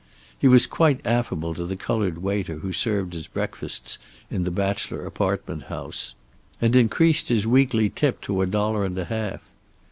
He was quite affable to the colored waiter who served his breakfasts in the bachelor apartment house, and increased his weekly tip to a dollar and a half.